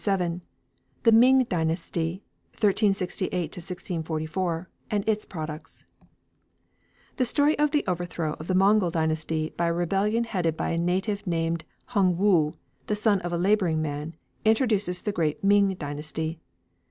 VII THE MING DYNASTY CHAPTER VII THE MING DYNASTY (1368 1644) AND ITS PRODUCTS The story of the overthrow of the Mongol dynasty by a rebellion headed by a native named Hung woo, the son of a labouring man, introduces the great Ming dynasty.